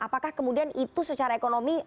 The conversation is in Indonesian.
apakah kemudian itu secara ekonomi